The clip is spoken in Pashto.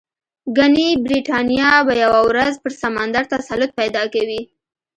ګنې برېټانیا به یوه ورځ پر سمندر تسلط پیدا کوي.